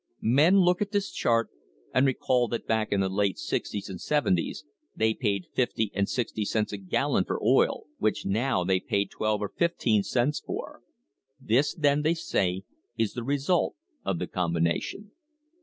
Men look at this chart and recall that back in the late sixties and seventies they paid fifty and sixty cents a gal lon for oil, which now they pay twelve and fifteen cents for. This, then, they say, is the result of the combination.